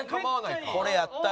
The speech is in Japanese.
これやったら。